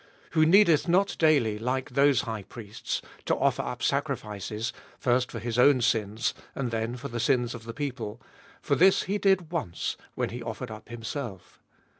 Who needeth not daily, like those high priests, to offer up sacrifices, first for his own sins, and then for the sins of the people: for this he did once, when he offered up himself.